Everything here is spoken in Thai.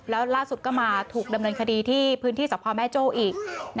แล้วล่าสุดก็มาถูกดำเนินคดีที่พื้นที่สะพอแม่โจ้อีก